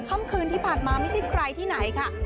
ก่อนจะจากบ้านมา